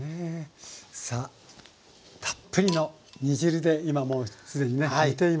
さあたっぷりの煮汁で今もうすでにね煮ています。